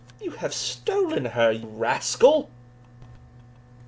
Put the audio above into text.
"You have stolen her, you rascal."